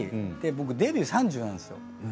デビューが３０なんですよ。